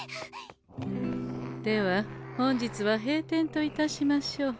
では本日は閉店といたしましょう。